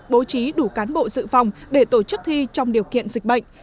bố trí đủ cán bộ dự phòng để tổ chức thi trong điều kiện dịch bệnh